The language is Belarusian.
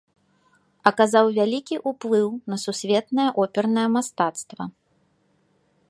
Аказаў вялікі ўплыў на сусветнае опернае мастацтва.